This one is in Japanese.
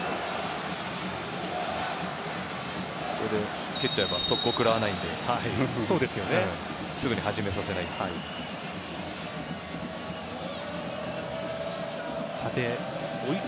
ここで蹴っちゃえば速攻食らわないのですぐに始めさせないという。